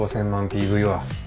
５，０００万ＰＶは。